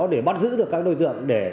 để bắt giữ được các đối tượng